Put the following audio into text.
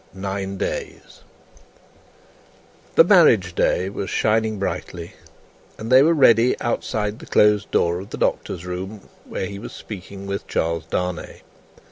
Nine Days The marriage day was shining brightly, and they were ready outside the closed door of the Doctor's room, where he was speaking with Charles Darnay.